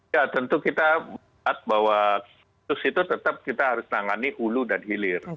ya tentu kita bahwa kasus itu tetap kita harus tangani hulu dan hilir